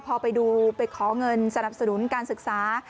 พอไปดูไปขอเงินสนับสนุนการศึกษา